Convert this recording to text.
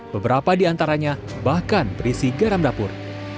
beberapa di antaranya bahkan berisi garam dapur